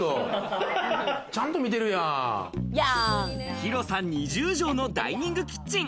広さ２０帖のダイニングキッチン。